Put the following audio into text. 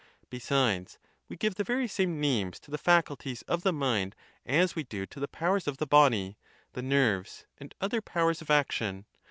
Besides, we give the very same names to the faculties of the mind as we do to the powers of the body, the nerves, and other powers of action.